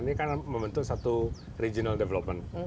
ini kan membentuk satu regional development